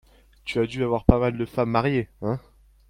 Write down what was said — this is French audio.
Tu as dû avoir pas mal de femmes mariées, hein ?